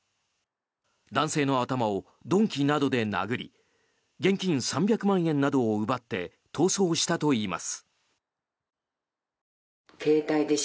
男性の頭を鈍器などで殴り現金３００万円などを奪って逃走したといいます。